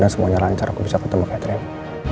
semuanya lancar aku bisa ketemu catherine